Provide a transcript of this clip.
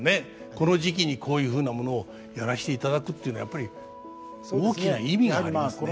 この時期にこういうふうなものをやらせていただくっていうのはやっぱり大きな意味がありますね。